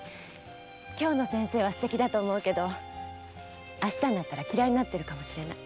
今日の先生は素敵だと思うけど明日になったら嫌いになってるかもしれない。